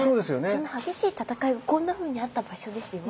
その激しい戦いがこんなふうにあった場所ですよ。